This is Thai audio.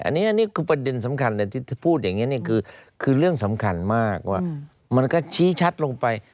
อันนี้คือประเด็นสำคัญเลยที่พูดอย่างนี้คือเรื่องสำคัญมากว่ามันก็ชี้ชัดลงไป